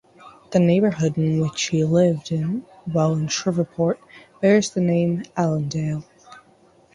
The neighborhood in which he lived in while in Shreveport bears the name Allendale.